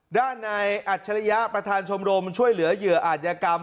ด้านในอัจฉริยะประธานชมรมช่วยเหลือเหยื่ออาจยกรรม